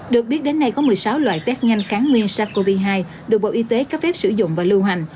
được biết đến nay có một mươi sáu loại test nhanh kháng nguyên sars cov hai được bộ y tế cấp phép sử dụng và lưu hành